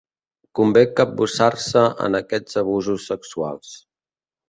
Convé capbussar-se en aquests obusos sexuals.